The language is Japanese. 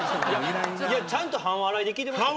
いやちゃんと半笑いで聞いてましたよ。